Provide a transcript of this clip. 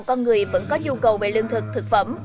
con người vẫn có nhu cầu về lương thực thực phẩm